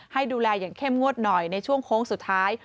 ให้ดูแลอย่างเข้มงวดหน่อยในช่วงโค้งสุดท้าย